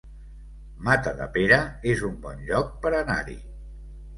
Matadepera es un bon lloc per anar-hi